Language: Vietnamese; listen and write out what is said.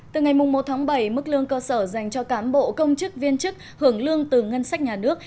từ ngày một tháng bảy mức lương cơ sở dành cho cán bộ công chức viên chức hưởng lương từ ngân sách nhà nước